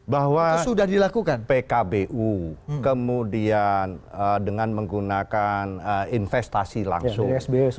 bahwa pkbu kemudian dengan menggunakan investasi langsung